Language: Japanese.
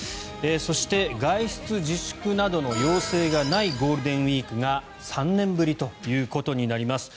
そして外出自粛などの要請がないゴールデンウィークが３年ぶりということになります。